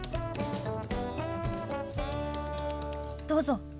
どうぞ。